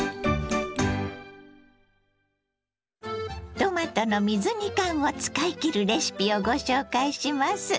トマトの水煮缶を使いきるレシピをご紹介します。